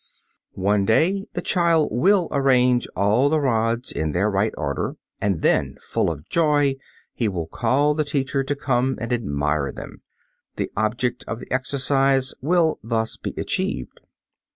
One day the child will arrange all the rods in their right order, and then, full of joy, he will call the teacher to come and admire them. The object of the exercise will thus be achieved.